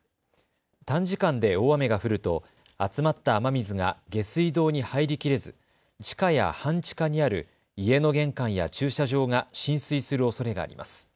短時間で大雨が降ると集まった雨水が下水道に入りきれず地下や半地下にある家の玄関や駐車場が浸水するおそれがあります。